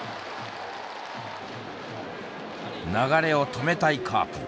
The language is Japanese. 流れを止めたいカープ。